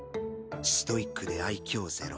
ストイックで愛嬌ゼロ。